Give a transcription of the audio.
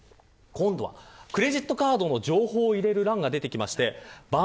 今度はクレジットカードの情報を入れる欄が出てきます。